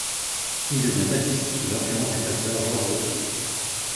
Il devient baptiste sous l'influence du pasteur Georges Rousseau.